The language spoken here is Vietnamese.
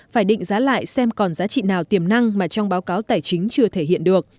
phải định giá lại xem còn giá trị nào tiềm năng mà trong báo cáo tài chính chưa thể hiện được